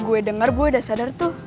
gue dengar gue udah sadar tuh